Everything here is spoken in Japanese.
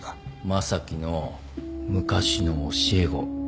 正樹の昔の教え子。